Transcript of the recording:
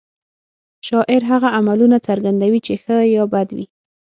شاعر هغه عملونه څرګندوي چې ښه یا بد وي